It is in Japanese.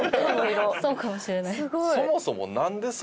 そうかもしれない。